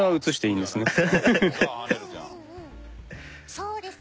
そうですね。